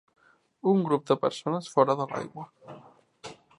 un grup de persones fora de l'aigua.